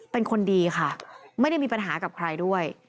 เป็นคนดีค่ะไม่ได้มีปัญหากับใครด้วย